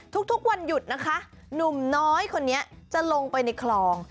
ทุกวันหยุดนะคะหนุ่มน้อยคนนี้จะลงไปในคลอง